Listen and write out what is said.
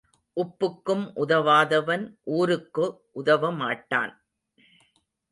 உப்புக்கும் உதவாதவன் ஊருக்கு உதவமாட்டான்.